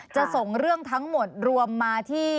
จะส่งเรื่องทั้งหมดรวมมาที่